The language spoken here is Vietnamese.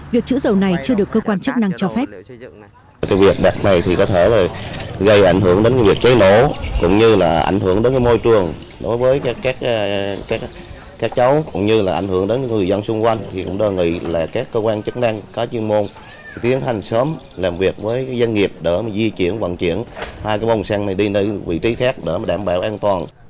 việc chứa dầu này chưa được cơ quan chức năng cho phép